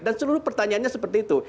dan seluruh pertanyaannya seperti itu